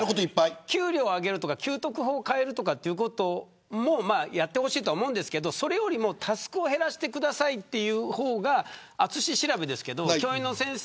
給料を上げるとか給特法を変えることもやってほしいですけどタスクを減らしてくださいという方が淳調べですけど教員の先生